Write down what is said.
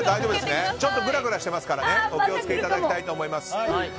ぐらぐらしてますからお気を付けいただきたいと思います。